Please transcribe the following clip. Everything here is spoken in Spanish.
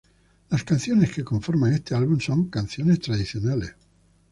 Las canciones que conforman este álbum, son canciones tradicionales.